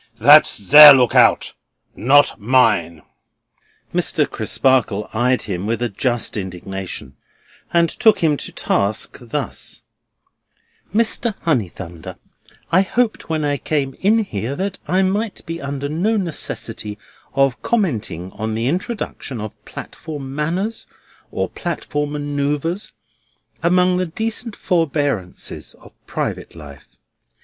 That's their look out: not mine." Mr. Crisparkle eyed him with a just indignation, and took him to task thus: "Mr. Honeythunder, I hoped when I came in here that I might be under no necessity of commenting on the introduction of platform manners or platform manœuvres among the decent forbearances of private life.